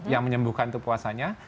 yang menyembuhkan itu puasanya